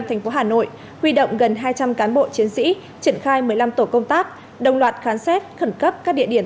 thành phố hà nội huy động gần hai trăm linh cán bộ chiến sĩ triển khai một mươi năm tổ công tác đồng loạt khám xét khẩn cấp các địa điểm